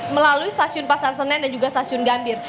melalui stasiun pasar senen dan juga stasiun gambir